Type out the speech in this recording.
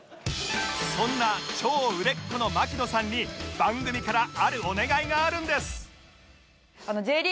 そんな超売れっ子の槙野さんに番組からあるお願いがあるんです